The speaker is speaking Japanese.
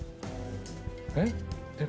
えっ？